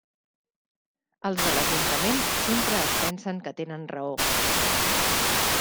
Els de l'ajuntament sempre es pensen que tenen raó.